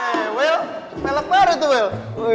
eh wil melek baru tuh wil